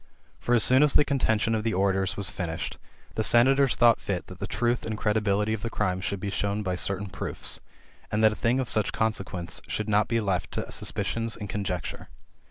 For as soon as the contention of the orators was finished, the senators thought fit that the truth and credibility of the crimes should be shown by certain proofs, and that a thing of such great consequence should not be left to suspicions and conjec ture.